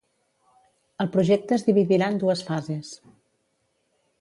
El projecte es dividirà en dues fases.